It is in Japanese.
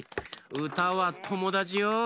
うたはともだちよ！